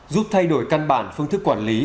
giúp thay đổi căn bản phương thức quản lý